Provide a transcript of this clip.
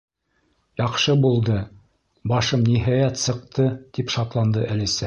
—Яҡшы булды, башым, ниһайәт, сыҡты! —тип шатланды Әлисә.